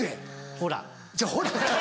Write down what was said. ほら。